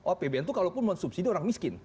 apbn itu kalaupun mau subsidi orang miskin